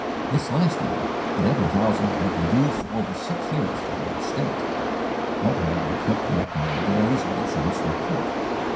This last amount, eleven thousand, had been due for over six years from an estate, but had been kept back by the delays of the Chancery Court.